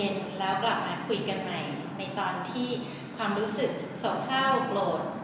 ในตอนที่ส่งเศร้าโค้กโปรด